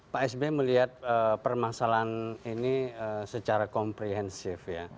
pak sby melihat permasalahan ini secara komprehensif ya